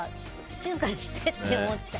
静かにしてって思っちゃう。